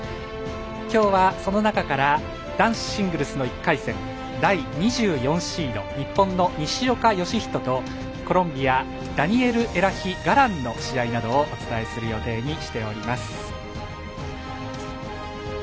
今日は、その中から男子シングルスの１回戦第２４シード、日本の西岡良仁とコロンビアダニエルエラヒ・ガランの試合をお伝えする予定にしております。